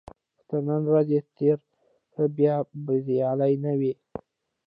که تر نن ورځې تېره کړه بیا بریالی نه وي.